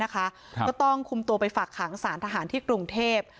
ก็ต้องคุมตัวไปฝากขังสารทหารที่กรุงเทพ